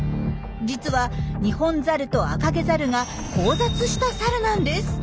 実はニホンザルとアカゲザルが交雑したサルなんです。